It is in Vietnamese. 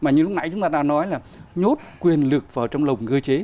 như lúc nãy chúng ta đã nói là nhốt quyền lực vào trong lồng cơ chế